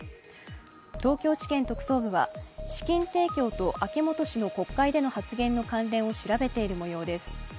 東京地検特捜部は資金提供と秋本氏の国会での発言の関連を調べている模様です。